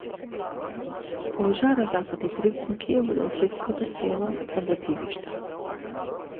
Пожар зафати три куќи во делчевското село Тработивиште